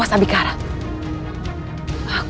saya semua sudah tewas